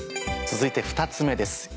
続いて２つ目です。